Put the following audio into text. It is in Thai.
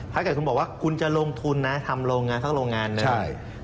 ถ้าเกิดคุณบอกว่าคุณจะลงทุนนะทำโรงงานสักโรงงานหนึ่งใช่